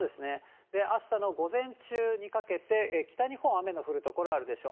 あしたの午前中にかけて、北日本、雨の降る所あるでしょう。